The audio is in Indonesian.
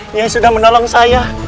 nyai sudah menolong saya